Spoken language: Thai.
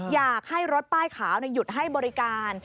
อยากให้รถป้ายขาวหยุดให้บริการ